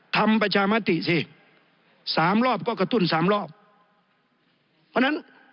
ทำประชามติสิสามรอบก็กระตุ้นสามรอบเพราะฉะนั้น